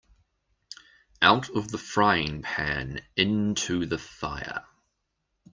Out of the frying pan into the fire.